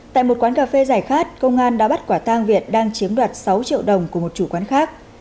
tại một quán cà phê giải khát công an đã bắt quả tang việt đang chiếm đoạt sáu triệu đồng của một chủ quán khác